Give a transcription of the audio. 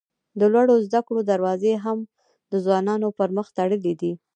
د لوړو زده کړو دروازې هم د ځوانانو پر مخ تړلي دي.